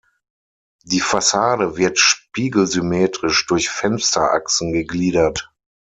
Die Fassade wird spiegelsymmetrisch durch Fensterachsen gegliedert.